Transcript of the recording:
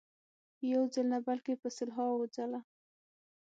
یو ځل نه بلکې په سلهاوو ځله.